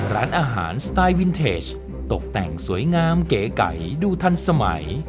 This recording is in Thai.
ร้านอาหารสไตล์วินเทจตกแต่งสวยงามเก๋ไก่ดูทันสมัย